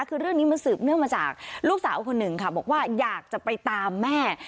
คือเรื่องนี้มันสืบเนื่องมาจากลูกสาวคนหนึ่งค่ะบอกว่าอยากจะไปตามแม่